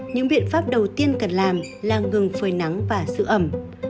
những biện pháp đầu tiên cần làm là ngừng phơi nắng và sữa ẩm